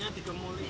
kalau makan malu